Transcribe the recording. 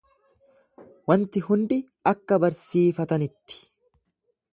Waanti hundi akka barsiifatanitti.